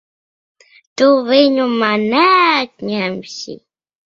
Tu viņu man neatņemsi!